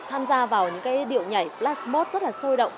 tham gia vào những cái điệu nhảy blast mode rất là sôi động